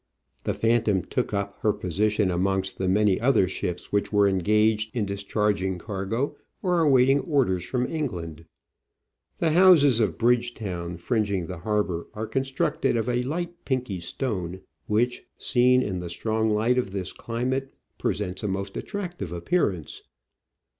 The Phantom took up her position amongst the many other ships which were engaged in discharging cargo, or awaiting orders from England. The houses of Bridgetown fringing the harbour are constructed of a light pinky stone, which, seen in the a barbadian soldier. strong light of this climate, presents a most attractive appearance.